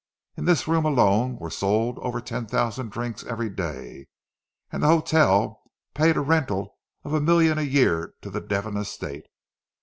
In this room alone were sold over ten thousand drinks every day; and the hotel paid a rental of a million a year to the Devon estate.